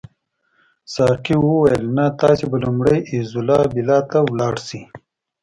ساقي وویل نه تاسي به لومړی ایزولا بیلا ته ولاړ شئ.